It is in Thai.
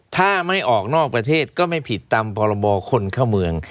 ถ้าไม่ออกนอกประเทศก็ไม่ผิดตามพรบคนเข้าเมือง